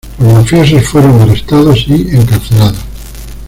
Los mafiosos fueron arrestados y encarcelados.